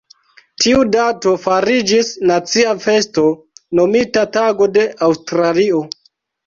Tiu dato fariĝis nacia festo nomita Tago de Aŭstralio.